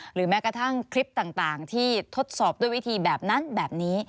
หรือแม้กระทั่งคลิปต่างที่ทดสอบด้วยวิธีแบบนั้นแบบนี้